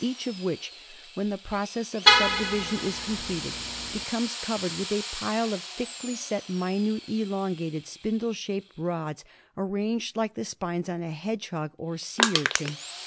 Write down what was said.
each of which, when the process of subdivision is com pleted, becomes covered with a pile of thickly set minute elongated spindle shaped rods arranged like the spines on a hedgehog or sea urchin.